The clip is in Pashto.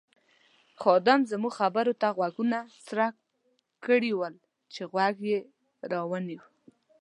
خادم زموږ خبرو ته غوږونه څرک کړي ول چې غوږ یې را ونیو.